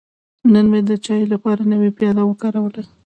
نن مې د چای لپاره نوی پیاله وکاروله.